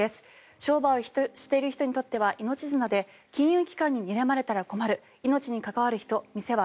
商売をしている人にとっては命綱で金融機関ににらまれたら困る。